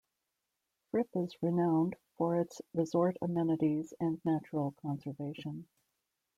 Fripp is renowned for its resort amenities and natural conservation.